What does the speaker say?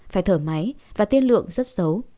phải thở máy và tiên lượng rất xấu